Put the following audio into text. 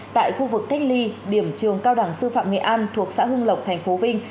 tại khu vực cách ly điểm trường cao đẳng sư phạm nghệ an thuộc xã hưng lộc tp vinh